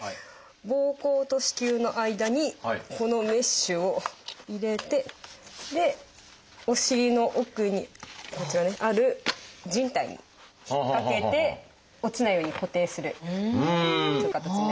ぼうこうと子宮の間にこのメッシュを入れてお尻の奥にこちらにあるじん帯に引っ掛けて落ちないように固定するという形になりますね。